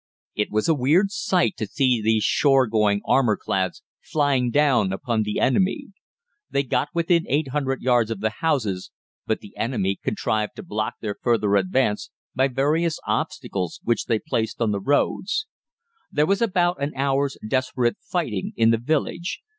It was a weird sight to see these shore going armour clads flying down upon the enemy. They got within 800 yards of the houses, but the enemy contrived to block their further advance by various obstacles which they placed on the roads. "There was about an hour's desperate fighting in the village.